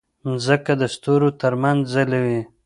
مځکه د ستورو ترمنځ ځلوي.